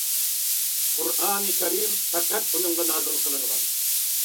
قۇرئان كەرىم پەقەت ئۇنىڭغا نازىل قىلىنغان.